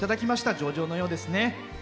上々のようですね。